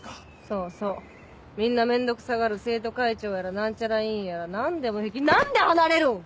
そうそうみんな面倒くさがる生徒会長やら何ちゃら委員やら何でも引き何で離れるん！